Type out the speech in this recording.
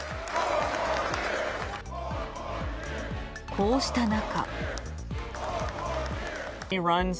こうした中。